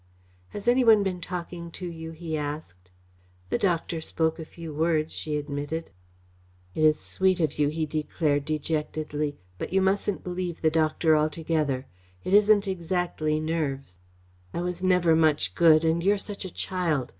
"Has any one been talking to you?" he asked. "The doctor spoke a few words," she admitted. "It is sweet of you," he declared dejectedly, "but you mustn't believe the doctor altogether. It isn't exactly nerves. I was never much good and you're such a child.